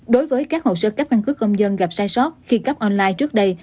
đối với các hồ sơ cấp căn cứ công dân gặp sai sót khi cấp online trước đây